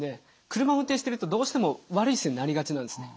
車を運転してるとどうしても悪い姿勢になりがちなんですね。